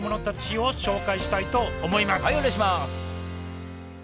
はいお願いします。